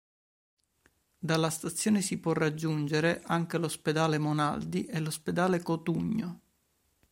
Dalla stazione si può raggiungere anche l'ospedale Monaldi e l'ospedale Cotugno.